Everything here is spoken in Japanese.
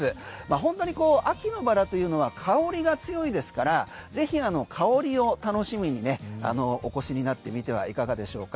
本当に秋バラというのは香りが強いですからぜひ香りを楽しみにお越しになってみてはいかがでしょうか。